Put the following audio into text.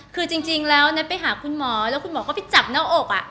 คือจริงแล้วแน็ตไปหาคุณหมอแล้วคุณหมอก็ไปจับหน้าอก